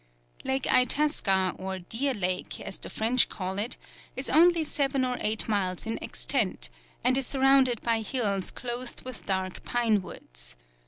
Lake Itasca, or Deer Lake, as the French call it, is only seven or eight miles in extent, and is surrounded by hills clothed with dark pine woods.